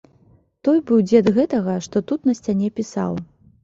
Той быў дзед гэтага, што тут на сцяне пісаў.